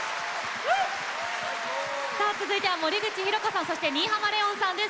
さあ続いては森口博子さんそして新浜レオンさんです。